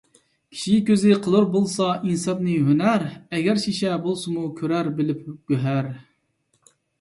كىشى كۆزى قىلۇر بولسا ئىنساپنى ھۈنەر، ئەگەر شېشە بولسىمۇ كۆرەر بىلىپ گۆھەر.